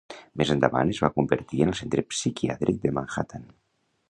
Més endavant es va convertir en el Centre Psiquiàtric de Manhattan.